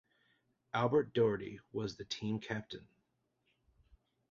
Albert Doherty was the team captain.